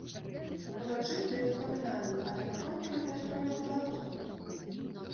Урачыста і запамінальна, але наколькі гэтыя строі беларускія?